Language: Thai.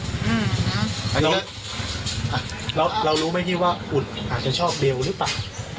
อันนี้เรารู้ไหมพี่ว่าอุดอาจจะชอบเบลหรือเปล่า